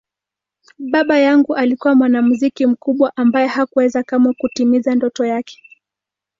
Baba yangu alikuwa mwanamuziki mkubwa ambaye hakuweza kamwe kutimiza ndoto yake.